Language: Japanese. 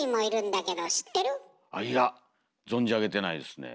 いや存じ上げてないですね。